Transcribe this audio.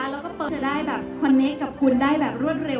แล้วก็เปิดได้แบบคนนี้กับคุณได้แบบรวดเร็ว